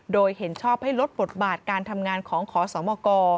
โดยเห็นชอบให้ลดบทบาทการทำงานของขอสมก